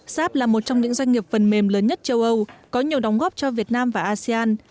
sáp là một trong những doanh nghiệp phần mềm lớn nhất châu âu có nhiều đóng góp cho việt nam và asean